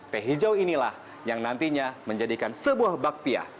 teh hijau inilah yang nantinya menjadikan sebuah bakpia